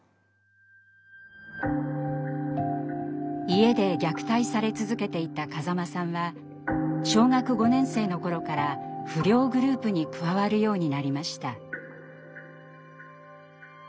家で虐待され続けていた風間さんは小学５年生の頃から不良グループに加わるようになりました。